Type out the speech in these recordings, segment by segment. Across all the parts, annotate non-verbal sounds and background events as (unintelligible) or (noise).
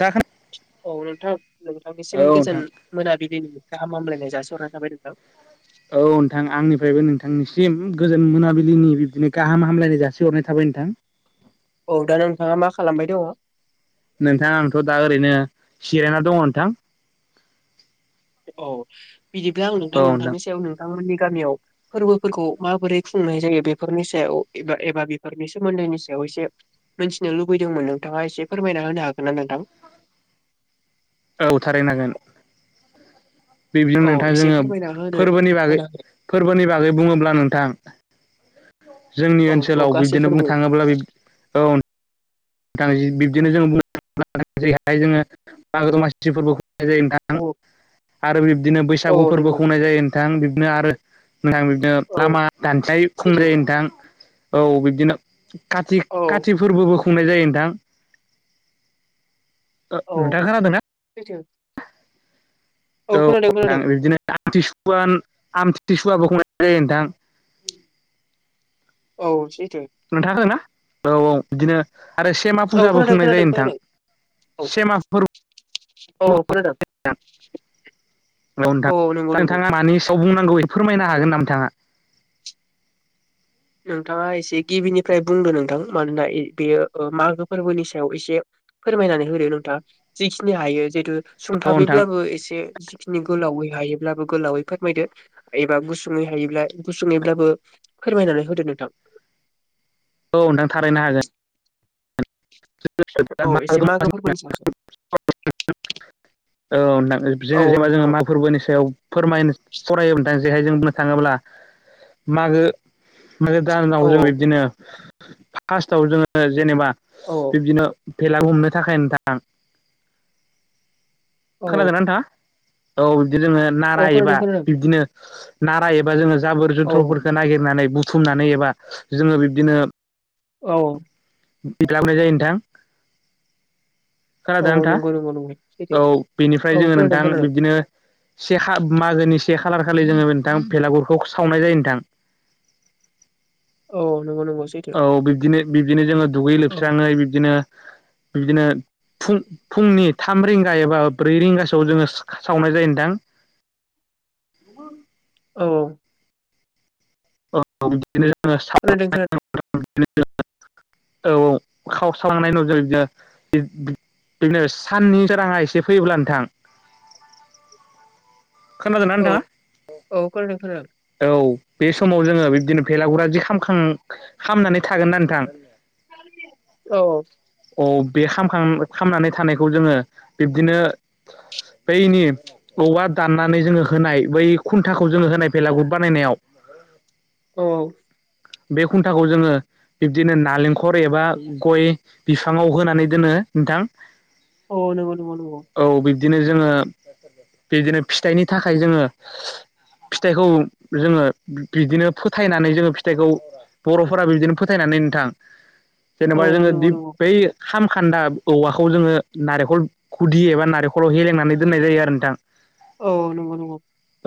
दा औ नोंथां नोंथांनिसिम औ गोजोन नोंथां मोनाबिलिनि गाहामलायनाय जासिहरना थाबाय नोंथां औ नोंथां आंनिफ्रायबो नोंथांनिसिम गोजोन मोनाबिलिनि बिब्दिनो गाहाम हामलायनाय जासिहरनाय थाबाय नोंथां औ दा नोंथाङा मा खालामबाय दङ नोंथां आंथ' दा ओरैनो सिरायना दङ नोंथां औ बिदिब्ला आं नोंथां नोंथांनि सायाव नोंथांमोननि गामियाव फोरबोफोरखौ माबोरै खुंनाय जायो बेफोरनि सायाव एबा एबा बेफोरनि सोमोन्दैनि सायाव एसे मिथिनो लुबैदोंमोन नोंथाङा एसे फोरमायना होनो हागोना नोंथां औ थारैनो हागोन बे बिदिनो औ नोंथां एसे जोङो फोरमायना होनो फोरबोनि बागै होनो फोरबोनि बागै बुङोब्ला नोंथां जोंनि औ औ ओनसोलाव गासै बिब्दिनो बुंनो फोरबो थाङोब्ला औ बिब्दिनो जों बुं जेरैहाय जोङो मागो दमासि फोरबोखौ नाय जायो नोंथां औ आरो बिब्दिनो औ बैसागु फोरबो नंगौ खुंनाय जायो नोंथां बिब्दिनो आरो नोंथां बिबदिनो औ लामा दानसाय सैथो खुंद्राय नोंथां औ बिब्दिनो औ काति फोरबोबो खुंनाय जायो नोंथां औ नोंथां खोनादोंना? सैथो खोनादों औ खोनादों बिदिनो आमथि सुवान आथि आमथिसुवाबो खुनाय जायो नोंथां औ थि (unintelligible) (inaudible) आरो सेमा औ फुजाबो खोनादों बुंनाय खोनादों जायो नोंथां खोनादों औ सेमा फोरबो औ खोनादों औ नोंथां नंगौ नंगौ नोंथाङा मानि सायाव बुंनांगौ बे फोरमायनो औ हागोन नामा नोंथाङा नोंथाङा एसे गिबिनिफ्राय बुंदों नोंथां मानोना बेयो मागो फोरबोनि सायाव एसे फोरमायनानै होदो नोंथां जिखिनि हायो जितु औ नोंथां सुंथाबैब्लाबो एसे जिखिनि गोलावै हायोब्लाबो गोलावै फोरमायदो एबा गुसुङै हायोब्ला गुसुङैब्लाबो फोरमायनानै होदो नोंथां। औ, नोंथां थारैनो हागोन। (unintelligible) औ एसे मागो फोरबोनि सायावसो औ नोंथां औ जोङो जेबा नोंथां औ मागो फोरबोनि सायाव फोरमायनो सावरायनो नोंथां। जेरैहाय जों बुंनो थाङोब्ला मागो-मागो दानाव औ जों बिब्दिनो फास्थआव जोङो जेनेबा औ बिब्दिनो भेला हमनो थाखाय नोंथां, औ खोनादों नोंथाङा? औ बिदि जोङो नारा औ खोनादों एबा खोनादों बिब्दिनो नारा एबा जोङो जाबोर औ जोनथ्र'फोरखौ नागिरनानै बुथुमनानै एबा जोङो बिब्दिनो औ। बिदिनो लाबोनाय जायो नोंथां औ खोनादों नोंथां नंगौ नंगौ नंगौ। सैथो औ बेनिफ्राय औ जोङो खोनादों नोंथां खोनादों बिब्दिनो से हा-मागोनि से खालार खालि जोङो नोंथां भेलागुरखौ सावनाय जायो नोंथां। औ नंगौ नंगौ सैथो। औ बिब्दिनो बिब्दिनो जोङो दुगै औ लोबस्राङै बिब्दिनो-बिब्दिनो फुं-फुंनि थाम रिंगा एबा ब्रै रिंगासोआव जोङो सावनाय जायो नोंथां। (inaudible) औ। औ बिदिनो खोनादों खोनादों (unintelligible) औ औ खाव सावनाय नुयो बिदिनो (unintelligible) बिदिनो साननि सोराङा एसे फैयोब्ला नोंथां खोनादोंना औ नोंथाङा? औ खोनादों खोनादों। औ बे समाव जोङो बिब्दिनो भेलागुरा दि खामखां खामनानै थागोनना नोंथां औ औ औ बि खामखां खामनानै थानायखौ जोङो बिब्दिनो बैनि औवा दाननानै जोङो होनाय बै खुन्थाखौ जोङो होनाय भेलागुर बानायनायाव औ औ बे खुन्थाखौ जोङो बिब्दिनो नालेंखर एबा गय - बिफाङाव होनानै दोनो नोंथां औ औ नोंगौ नोनगौ नोंगौ। बिदिनो जोङो बिदिनो फिथाइनि थाखाय जोङो फिथाइखौ जोङो बिदिनो फोथायनानै जोङो फिथाइखौ बर'फोरा बिदिनो फोथायनानै नोंथां औ नोंगौ नोंगौ। खामखोन्दा औवाखौ जोङो नारेंखल गुदि एबा नारेंखलाव हेलेंनानै दोननाय जायो आरो नोंथां। औ नोंगौ नोंगौ।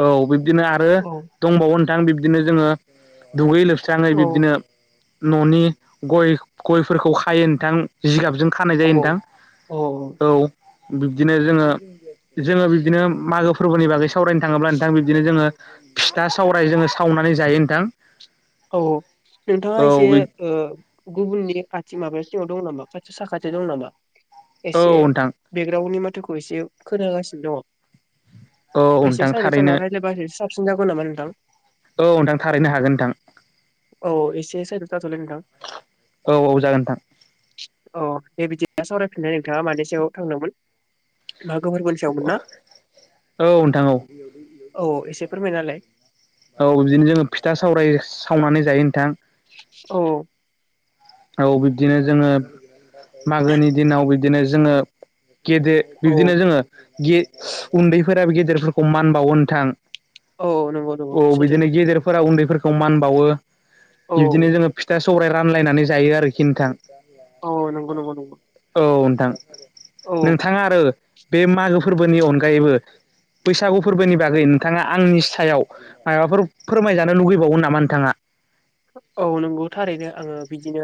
औ बिब्दिनो आरो दंबावो नोंथां बिब्दिनो जोङो दुगै-लोब स्राङै औ बिब्दिनो न'नि गय-गयफोरखौ खायो नोंथां जिगाबजों खानाय औ जायो नोंथां, औ औ। बिब्दिनो जोङो, जोङो बिब्दिनो मागो फोरबोनि बागै सावरायनो थाङोब्ला नोंथां बिब्दिनो जोङो फिथा-सावराय जोङो सावनानै जायो नोंथां। औ नोंथाङा औ एसे ओ गुबुननि खाथि माबा दं नामा खाथि साखाथियाव दं नामा? औ एसे नोंथां बेकग्राउनि मा जोंखौ एसे खोनागासिनो औ दङ एसे नोंथां साइडआव थारैनो थानानै रायलायबा सा बसिन जागौ नामा नोंथां? औ नोंथां, थारैनो हागोन नोंथां। औ एसे साइडआव थाथ'लाय नोंथां। औ औ जागोन नोंथां अ दे बिदिनो सावराय फिननाय नोंथाङा मानै सायाव थांदोंमोन? मागो फोरबोनि सायावमोन ना? औ नोंथां औ औ औ एसे फोरमायना होलाय औ बिदिनो जोङो फिथा सावराय सावनानै जायो नोंथां । औ । औ बिब्दिनो जोङो मागोनि दिनाव बिदिनो जोङो गेदे औ बिब्दिनो जोङोे गे उन्दैफोराबो गेदेरफोरखौ मान बावनो नोंथां । औ नंगौ नंगौ औ सैथो बिदिनो गेदेरफोरा उन्दैफोरखौ मान बावो बिबदिनो औ जोङो फिथा सौराय रानलायनानै जायो आरोखि नोथां । औ नंगौ नंगौ नंगौ औ नोंथां औ नोंथाङा आरो बे मागो फोरबोनि अनगायैबो बैसागु फोरबोनि बागै नोंथाङा आंनि सायाव माबाफोर फोरमायजानो लुगैबावगोन नामा नोंथाङा? औ नंगौ थारैनो आङो बिदिनो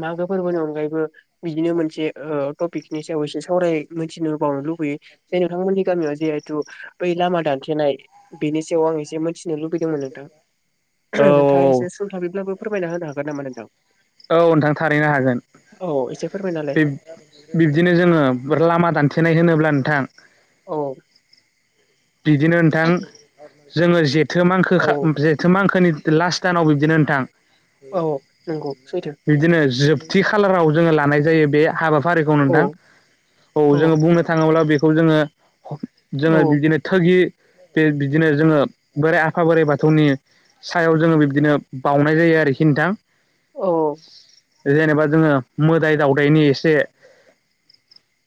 मागो फोरबोनि अनगायैबो बिदिनो मोनसे ओ टपिकनि सायाव एसे सावराय मिथिनो बावनो लुबैयो जाय नोंथांमोननि गामियाव जिहेथु बै लामा दान थेनाय बेनि सायाव आं एसेमोनथि नो लुबैदोंमोन नोंथां औ नोंथांङा एसे औ सुंथाबैब्लाबो फोरमायना होनो हागोन नामा नोंथां? औ नोंथां थारैनो हागोन औ एसे फोरमायनालाय । बिब्दिनो जोङो लामा दानथेनाय होनोब्ला नोंथां औ । बिदिनो नोंथां जोङो जेथो मांखो औ खा जेथो मांखोनि लास्ट दानाव बिब्दिनो नोंथां औ नंगौ सैथो बिब्दिनो जोब थि खालाराव जोङो लानाय जायो बे हाबाफारिखौ औ नोंथां औ जोङो बुंनो थाङोब्ला बे खौ जोङो औ जोङो बिदिनो थोगि बे बिदिनो जोङो बोराइ आफा बोराइ बाथौनि सायाव जोङो बिब्दिनो बावनाय जायो आरोखि नोंथां औ । जेनेबा जोङो मोदाय दावउदायनि एसे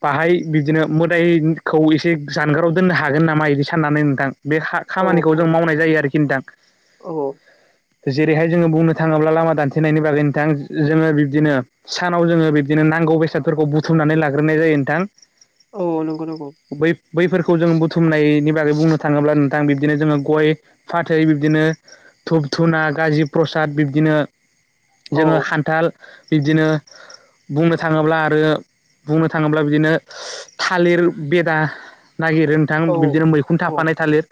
बाहाय बिदिनो मोदायखौ एसे जानगाराव दोननो हागोन नामा? बिदि साननानै नोंथां बे औ खा-खामानिखौ जों औ मावनाय जायो आरोखि नोंथां । औ । जेरैहाय जोङो बुंनो थाङोब्ला लामा दान्थेनायनि बागै नोंथां जोङो बिब्दिनो सानाव जोङो बिब्दिनो नांगौ बेसादफोरखौ बुथुमनानै लाग्रोनाय जायो नोंथां । औ नंगौ नंगौ । बैफोरखौ जों बुथुमनायनि बागै बुंनो थाङोब्ला नोंथां बिदिनो जोङो गय फाथै बिदिनो धुब धुना गाजि प्र साद बिब्दिनो औ जोङो खान्थाल बिदिनो बुंनो थाङोब्ला आरो बुंनो थाङोब्ला बिदिनो थालिर बेदा नागिरो नोंथां औ बिदिनो मैखुन औ थाफानाय थालिर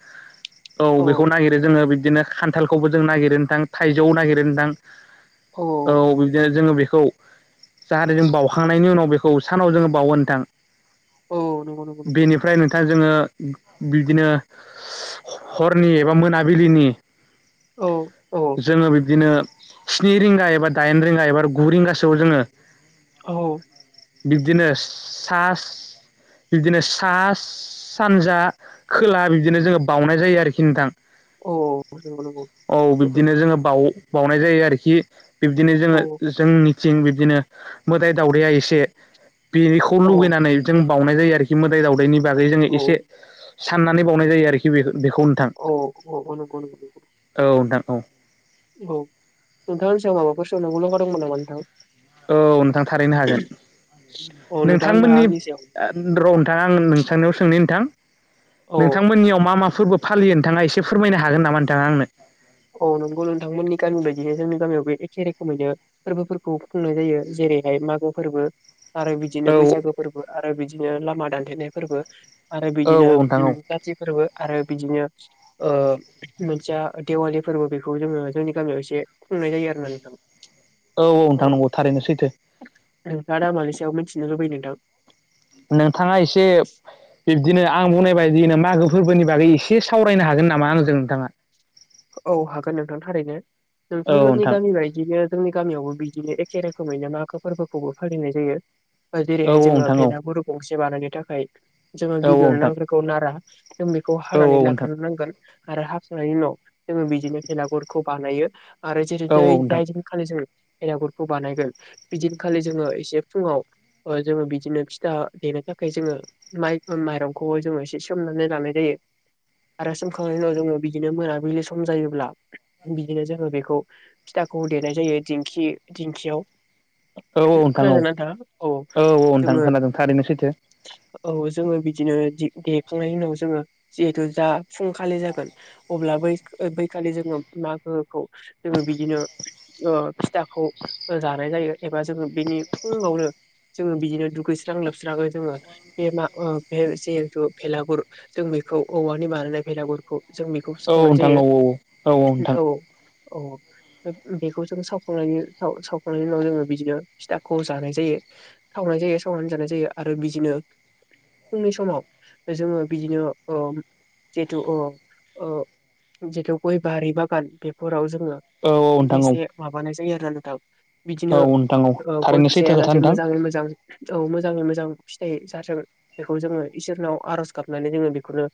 औ बेखौ नागिरो जों ङो बिदिनो खान्थालखौबो जों नागिरनो नोंथां थाइजौ नागिरनो नोंथां । औ बिदिनो जोङो बेखौ जाहाथे जों बावखांनायनि उनाव बेखौ खौ सानाव जोङो बावो नोंथां । औ नंगौ नंगौ नंगौ । जोङो बिदिनो हरनि एबा मोनाबिलिनि औ औ जोङो बिब्दिनो स्नि रिंगा एबा दाइन रिंगा एबा गु रिंगासोआव जोङो औ । बिब्दिनो सा बिब्दिनो सा सानजा खोला बिदिनो जोङो बावनाय जायो आरोखि नोंथां औ नंगौ नंगौ । औ सैथो बिब्दिनो जोङो बाउ बावनाय जायो आरोखि बिब्दिनो जोङो औ जोंनि थिं बिदिनो मोदाइ दावदाया एसे बेनिखौ औ लुगैनानै जों बावउनाय जायो आरोखि मोदाय दावदायनि बागै जोङो औ एसे साननानै बावनाय जायो आरोखि बेखो बेखौ नोंथां औ नोंथां औ। और नोंथाङा आंनि सायाव माबाफोर सोंनांगौ दं नामा नोंथां। औ नोंथां थारैनो हागोन। औ नोंथाङानो दा नोंथांमोननि आंनि सायाव र' नोंथां आं नोंथांनियाव सोंनि नोंथां। औ नोंथांमोननियाव मा मा फोरबो फालियो नोंथाङा एसे फोरमायनो हागोन नामा नोंथाङा आंनो औ नंगौ नोंथांमोननि गामि बायदिनो जोंनि गामियाव बे एखे रोखोमैनो फोरबोफोरखौ खुंनाय जायो जेरैहाय मागो फोरबो आरो बिदिनो औ बैसागो फोरबो आरो बिदिनो लामा दानथेनाय फोरबो आरो औ बिदिनो नोंथां औ काथि फोरबो आरो बिदिनो मोनसेया दिवालि फोरबो बेखौ जोङो जोंनि गामियाव एसे खुंनाय जायो आरो ना नोंथां। औ औ नोंथां नंगौ थारैनो सैथो। नोंथा दा मानि सायाव मिथिनो लुबैयो नोंथां नोंथाङा एसे बि बिबदिनो आं बुंनायबायदिनो मागो फोरबोनि बागै एसे सावरायनो हागोन नामा आंजों नोंथाङा औ हागोन नोंथां थारैनो औ नोंथांमोननि नोंथां गामि बायदिनो जोंनि गामियावबो बिदिनो एखे रोखोमैनो मागो फोरबोखौबो फालिनाय जायो। औ जेरैहाय जोङो नोंथां औ भेलागुरु गंसे बानायनो थाखाय जोङो औ गिबियावनो नोंथां नांग्रिखौ नारा जों बेखौ औ हानानै नोंथां लाग्रोनो नांगोन आरो हाखांनायनि उनाव जोङो बिजोंनो बेेलागुरखौ बानायो आरो जेरै औ औ नोंथां औ जाय दिन खालि जों बेलागुरखौ बानायगोन बिदिनखालि जोङो एसे फुङाव जोङो बिदिनो फिथा देनो थाखाय जोङो माइ माइरंखौबो जोङो एसे सोमनानै लानाय जायो। (inaudible) आरो सोमखांनायनि उनाव जोङो बिदिनो मोनाबिलि सम जायोब्ला बिदिनो जोङो बेखौ फिथाखौ देनाय जायो दिंखि दिंखियाव औ औ नोंथां औ खोनादोंना नोंथाङा औ औ नोंथां जोङो खोनादों थारैनो सैथो औ जोंङो बिदिनो देखांनायनि उनाव जोङो जिहेतु जा फुंखालि जागोन अब्ला बै खालि जोङो मागोखौ जोङो बिदिनो फिथाखौ जानाय जायो एबा जोङो बिनि फुङावनो जोङो बिदिनो दुगैस्रां लोबस्रांयै जोङो बे मा बे जिहेथु भेलागुर जों औवानि बानायनाय बेलागुरखौ जों बेखौ औ सावनाय नोंथां जायो औ औ औ औ नोंथां। बेखौ जों सावखांनायनि सावखांनायनि उनाव जोङो बिदिनो फिथाखौ जानाय जायो। सावनाय जायो सावनानै जानाय जायो आरो बिदिनो फुंनि समाव जोङो बिदिनो ओ जिहेथु ओ ओ जिथु गय बारि बागान बेफोराव जोङो औ औ नोंथां एसे औ माबानाय ायो आरो नथ बिदिनो औ नोंथां औ गय थारैनो सैथो फिसाया खोथा जाहाथे नोंथां मोजाङै मोजां औ मोजाङै मोजां (inaudible) मोजां फिथाइ जाथों बेखौ जोङो इसोरनाव आर'ज गाबनानै जोङो बेखौनो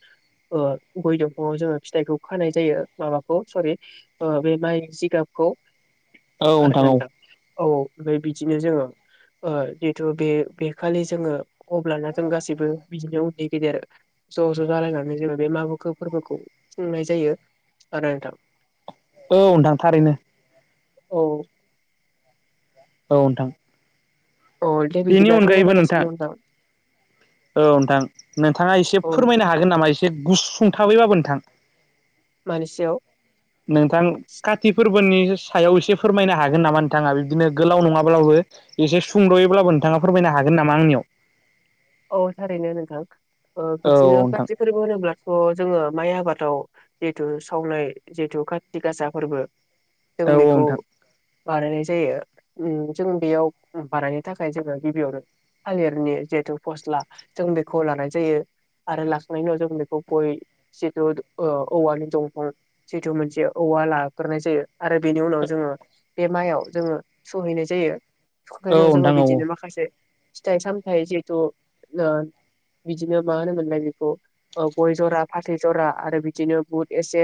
ओ गय दंफाङाव जोङो फिथाइखौ खानाय जायो माबाखौ सरि बे माइ जिगाबखौ औ आरो नोंथां औ नंदां औ ओमफ्राय बिदिनो जोङो जिथु बे बेखालि जोङो अब्लाना जों गासैबो बिदिनो उन्दै गेदेर ज' ज' जालायनानै जों बे मागो फोरबोखौ खुंनाय जायो आरो नोंथां। औ नोंथां थारैनो। औ। औ नोंथां अ दे बेनि बिदिब अनगायैबो नोंथां (inaudible) औ नोंथां नोंथाङा एसे औ फोरमायनो हागोन नामा एसे गुससुंथाबैबाबो नोंथां। मानि सायाव? नोंथां काथि फोरबोनि सायाव एसे फोरमायनो हागोन नामा नोंथाङा बिदिनो गोलाव नङाब्लाबो एसे सुंद'यैब्लाबो नोंथाङा फोरमायनो हागोन नामा आंनियाव। औ थारैनो नोंथां ओ औ बिदिनो नोंथां काथि फोरबो होनोब्ला थ' जोङो माइ आबादाव जिहेथु सावनाय जिहेतु खाथि गासा फोरबो। जों औ बेखौ नोंथां बानायनाय जायो जों बेयाव बानायनो थाखाय जोङो गिबियावनो थालिरनि जिहेथु। फस्ला जों बेखौ लानाय जायो। आरो लाखांनायनि उनाव जों बेखौ गय जिथु औवानि दंफां जिथु मोनसे औ। औवा लाग्रोनाय जायो आरो बेनि उनाव जोङो बे माइयाव जोङो सहैनाय जायो। बिनि औ उनाव जोङो नोंथां औ बिदिनो माखासे फिथाइ सामथाय जिहेथु। बिदिनो मा होनोमोनलाय बेखौ गय जरा फाथै जरा आरो बिदिनो बुट एसे।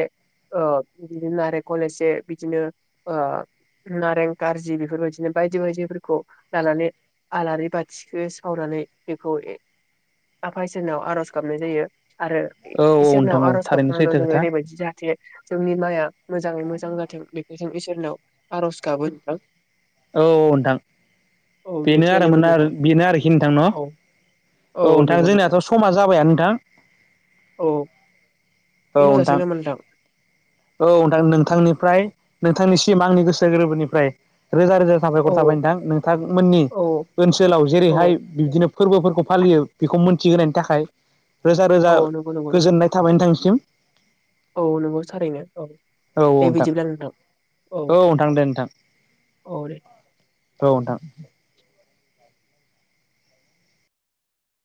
ओ बिदिनो नारेंखल एसे बिदिनो ओ नारें खारजि बेफोरबायदिनो बायदि बायदिफोरखौ लानानै आलारि बाथिखौ सावनानै। बेखौ आफा इसोरनाव आर'ज गाबनाय जायो। आरो औ औ इसोरनाव नोंथां औ आर'ज थारैनो गाबखांनानै सैथो जोङो खोथा ओरैबायदि जाहाथे। जोंनि माइआ मोजाङै मोजां जाथों बेखौ जों इसोरनियाव आर'ज गाबो। औ नोंथां औ बेनो आरो बेखिनियानोमोन मोना नोंथां बेनो आरोखि नोंथां न'। औ औ औ नोंथां नंगौ नंगौ जोंनियाथ' समा जाबाय नोंथां। दोन्थ' जासिगोन नामा नोंथां। औ सिम आंनि गोसो गोरबोनिफ्राय रोजा रोजा साफायखर औ थाबाय नोंथां नोंथांमोननि। औ ओनसोलाव औ जेरैहाय बिब्दिनो फोरबोफोरखौ फालियो बेखौ मोन थि होनायनि थाखाय रोजा औ रोजा नंगौ नंगौ नंगौ गोजोननाय थाबाय नोंथांनिसिम। औ नंगौ थारैनो औ औ दे बिदिब्ला नोंथां औ। नोंथां दे नोंथां औ दे। औ नोंथां।